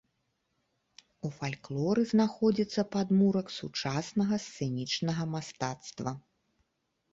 У фальклоры знаходзіцца падмурак сучаснага сцэнічнага мастацтва.